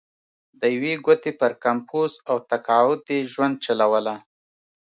د یوې ګوتې پر کمپوز او تقاعد یې ژوند چلوله.